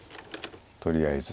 とりあえず。